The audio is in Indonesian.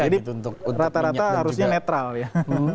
jadi rata rata harusnya netral ya